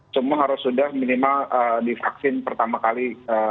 semua harus sudah minimal divaksin pertama kali